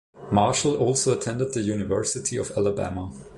Marshall also attended the University of Alabama.